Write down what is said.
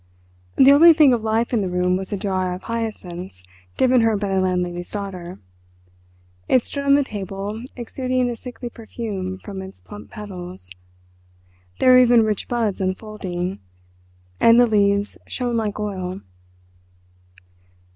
The only thing of life in the room was a jar of hyacinths given her by the landlady's daughter: it stood on the table exuding a sickly perfume from its plump petals; there were even rich buds unfolding, and the leaves shone like oil.